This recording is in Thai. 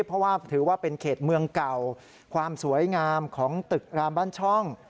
เป็นเขตเมืองเก่าความสวยงามของตึกรามบ้านช่อง